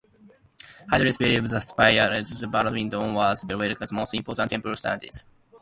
Hindus believe that the pair dwells at Badrinath, where their most important temple stands.